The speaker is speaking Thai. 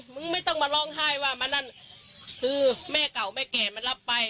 ไม่ต้องมาร้องไห้ว่ามานั่นคือแม่เก่าแม่แก่มันรับไป